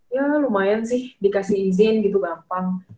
ya lumayan sih dikasih izin gitu gampang